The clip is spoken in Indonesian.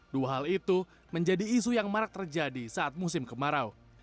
dua hal itu menjadi isu yang marak terjadi saat musim kemarau